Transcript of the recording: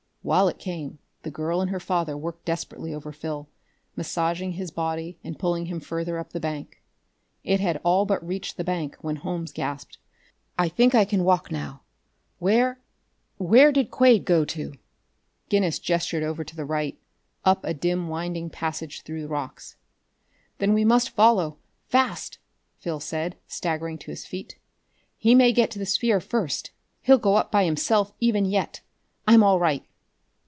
While it came, the girl and her father worked desperately over Phil, massaging his body and pulling him further up the bank. It had all but reached the bank when Holmes gasped: "I think I can walk now. Where where did Quade go to?" Guinness gestured over to the right, up a dim winding passage through the rocks. "Then we must follow fast!" Phil said, staggering to his feet. "He may get to the sphere first; he'll go up by himself even yet! I'm all right!"